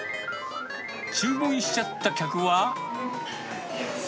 注文しちゃった客は。